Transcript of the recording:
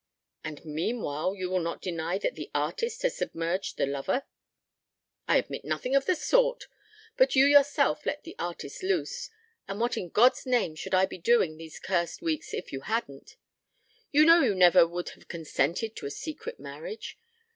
"And meanwhile you will not deny that the artist has submerged the lover." "I admit nothing of the sort. But you yourself let the artist loose and what in God's name should I be doing these cursed weeks if you hadn't? You know you never would have consented to a secret marriage.